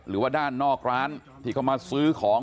หรือว่าด้านนอกร้านที่เขามาซื้อของ